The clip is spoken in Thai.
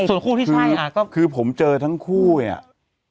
ส่วนคู่ที่ใช่ก็คือผมเจอทั้งคู่อ่ะ